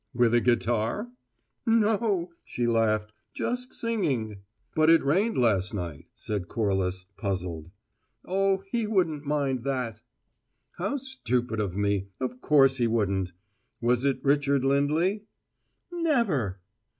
"With a guitar?" "No." She laughed a little. "Just singing." "But it rained last night," said Corliss, puzzled. "Oh, he wouldn't mind that!" "How stupid of me! Of course, he wouldn't. Was it Richard Lindley?" "Never!"